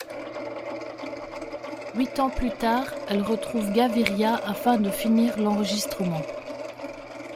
Huit ans plus tard, elle retrouve Gaviria afin de finir l'enregistrement.